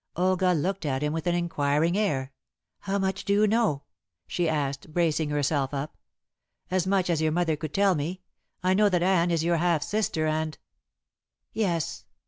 Olga looked at him with an inquiring air. "How much do you know?" she asked, bracing herself up. "As much as your mother could tell me. I know that Anne is your half sister, and " "Yes."